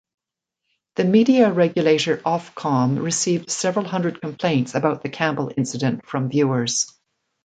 The media regulator Ofcom received several hundred complaints about the Campbell incident from viewers.